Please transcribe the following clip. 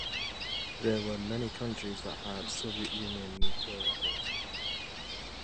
There were many countries that had Soviet Union nuclear weapons.